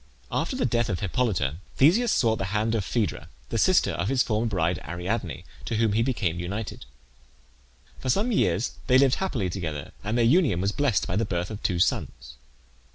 After the death of Hippolyte Theseus sought the hand of Phaedra, the sister of his former bride Ariadne, to whom he became united. For some years they lived happily together, and their union was blessed by the birth of two sons.